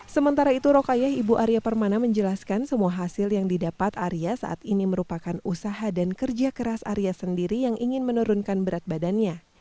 sementara itu rokayah ibu arya permana menjelaskan semua hasil yang didapat arya saat ini merupakan usaha dan kerja keras arya sendiri yang ingin menurunkan berat badannya